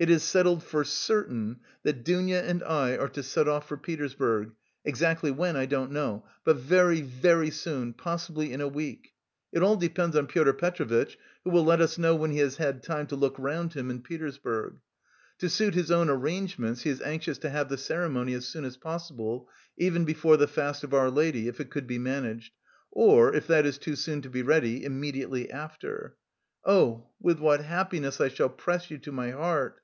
It is settled for certain that Dounia and I are to set off for Petersburg, exactly when I don't know, but very, very soon, possibly in a week. It all depends on Pyotr Petrovitch who will let us know when he has had time to look round him in Petersburg. To suit his own arrangements he is anxious to have the ceremony as soon as possible, even before the fast of Our Lady, if it could be managed, or if that is too soon to be ready, immediately after. Oh, with what happiness I shall press you to my heart!